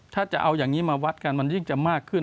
ถ้าจะเอาอย่างนี้มาวัดกันมันยิ่งจะมากขึ้น